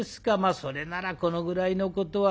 それならこのぐらいのことは。